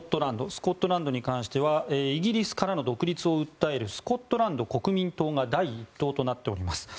スコットランドに関してはイギリスからの独立を訴えるスコットランド国民党が第１党となっています。